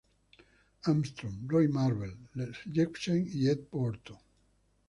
Armstrong, Roy Marble, Les Jepsen y Ed Horton.